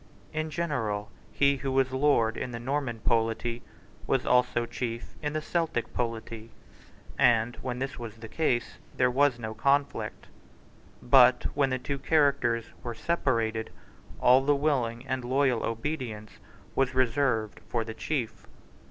In general he who was lord in the Norman polity was also chief in the Celtic polity; and, when this was the case, there was no conflict. But, when the two characters were separated, all the willing and loyal obedience was reserved for the chief.